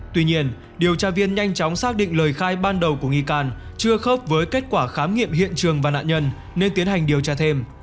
tuy nhiên điều tra viên nhanh chóng xác định lời khai ban đầu của nghi can chưa khớp với kết quả khám nghiệm hiện trường và nạn nhân nên tiến hành điều tra thêm